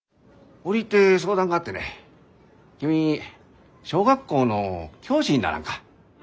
折り入って相談があってね君小学校の教師にならんか？